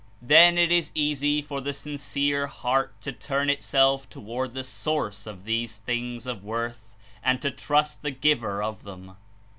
Then it is easy for the sincere heart to turn itself toward the Source of these things of worth and to trust the Giver of them.